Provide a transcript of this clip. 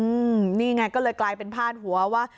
อืมนี่ไงก็เลยกลายเป็นพาดหัวว่า